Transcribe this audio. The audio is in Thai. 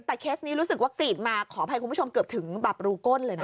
แต่เคสนี้รู้สึกวัคซีนมาขออภัยคุณผู้ชมเกือบถึงแบบรูก้นเลยนะ